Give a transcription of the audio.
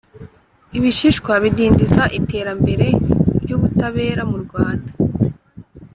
ibishishwa bidindiza iterambere ry Ubutabera mu rwanda.